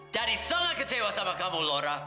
ayah saya sangat ketewa sama kamu laura